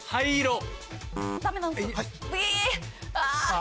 あ。